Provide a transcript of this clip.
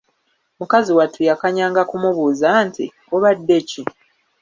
Mukazi wattu yakanyanga kumubuuza nti: Obadde ki?